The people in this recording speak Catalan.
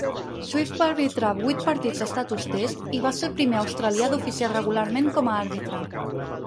Swift va arbitrar vuit partits d'estatus "test" i va ser el primer australià d'oficiar regularment com a arbitre.